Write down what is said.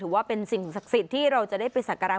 ว่าเป็นสิ่งศักดิ์สิทธิ์ที่เราจะได้ไปสักการะ